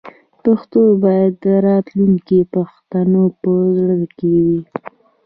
پښتو باید د راتلونکي پښتنو په زړه کې وي.